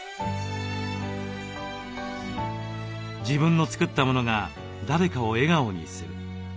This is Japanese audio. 自分の作ったものが誰かを笑顔にする。